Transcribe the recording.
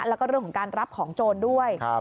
แล้วก็เรื่องของการรับของโจรด้วย